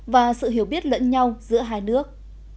và sự hiểu biết lẫn nhau giữa hai nước